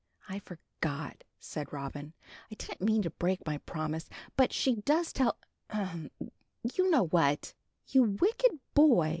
"I forgot," said Robin, "I didn't mean to break my promise. But she does tell ahem! you know what." "You wicked boy!"